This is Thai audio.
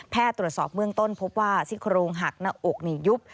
แพทย์ตรวจสอบเมืองต้นพบว่าซิคโรงหักณอกหนียุบ